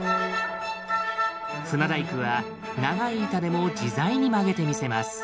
船大工は長い板でも自在に曲げてみせます。